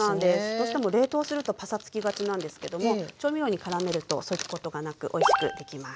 どうしても冷凍するとパサつきがちなんですけども調味料にからめるとそういうことがなくおいしくできます。